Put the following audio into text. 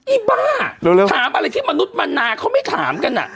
อีบ้าถามอะไรที่มนุษย์มะนาเขาไม่ถามกันอ่ะ